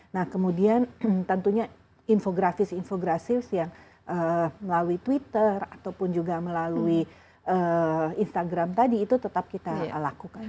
nah kemudian tentunya infografis infografis yang melalui twitter ataupun juga melalui instagram tadi itu tetap kita lakukan